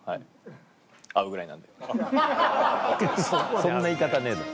そんな言い方ねえだろ。